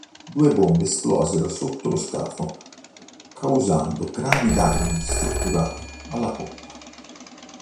Due bombe esplosero sotto lo scafo, causando gravi danni strutturali alla poppa.